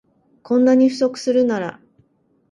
こんなに不足するなら